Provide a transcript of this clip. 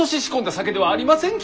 酒ではありませんき！